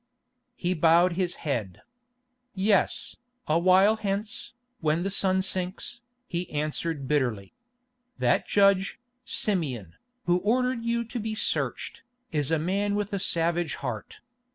He bowed his head. "Yes, a while hence, when the sun sinks," he answered bitterly. "That judge, Simeon, who ordered you to be searched, is a man with a savage heart.